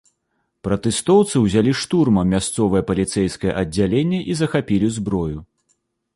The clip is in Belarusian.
Пратэстоўцы ўзялі штурмам мясцовае паліцэйскае аддзяленне і захапілі зброю.